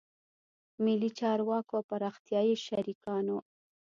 ملي چارواکو او پراختیایي شریکانو